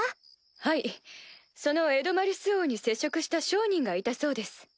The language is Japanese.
はいそのエドマリス王に接触した商人がいたそうです。